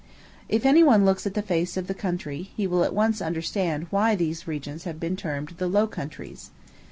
If any one looks at the face of the country, he will at once understand why these regions have been termed the Low Countries.